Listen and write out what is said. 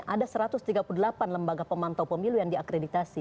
ada satu ratus tiga puluh delapan lembaga pemantau pemilu yang diakreditasi